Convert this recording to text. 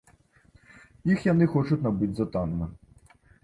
Іх яны хочуць набыць за танна.